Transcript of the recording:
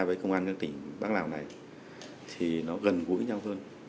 mình gũi với nhau hơn